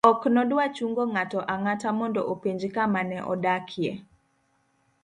ok nodwa chungo ng'ato ang'ata mondo openj kama ne odakie